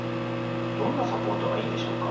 どんなサポートがいいんでしょうか？